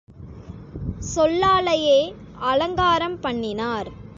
சொல்லாலேயே அலங்காரம் பண்ணினார்.